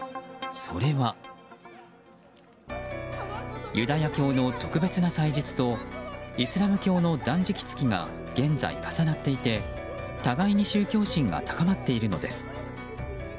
それは、ユダヤ教の特別な祭日とイスラム教の断食月が現在、重なっていて互いに宗教心が高まっているのです。